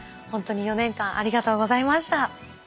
ほんとに４年間ありがとうございました。